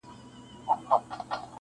د پاچا يې د جامو كړل صفتونه-